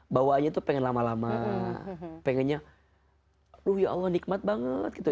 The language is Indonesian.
bawahnya itu pengen lama lama pengennya aduh ya allah nikmat banget gitu